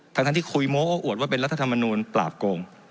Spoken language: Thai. ทั้งที่คุยโม้โอ้อวดว่าเป็นรัฐธรรมนูลปราบโกง